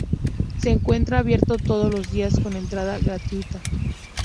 Se encuentra abierto todos los días con entrada gratuita.